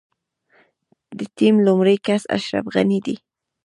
د ټيم لومړی کس اشرف غني دی.